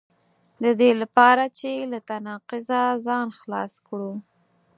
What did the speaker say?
د دې لپاره چې له تناقضه ځان خلاص کړو.